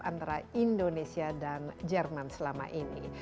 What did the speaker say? antara indonesia dan jerman selama ini